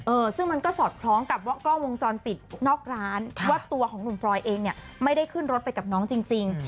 เออซึ่งมันก็สอดคล้องกับว่ากล้องวงจรปิดนอกร้านว่าตัวของหนุ่มฟรอยเองเนี่ยไม่ได้ขึ้นรถไปกับน้องจริง